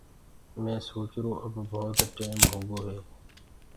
مي سوچرو اب ڀوت ٽيم هوگو هي۔